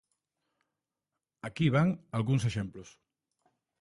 Aquí van algúns exemplos.